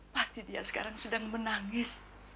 pasti dia sekarang sedang menangis